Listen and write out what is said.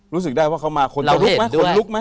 รู้สึกได้ว่าเขามาคนจะลุกไหมเดินลุกไหม